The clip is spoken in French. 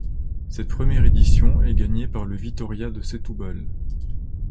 Cette première édition est gagnée par le Vitória de Setúbal.